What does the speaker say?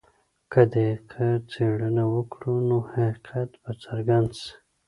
که دقیقه څېړنه وکړو نو حقیقت به څرګند سي.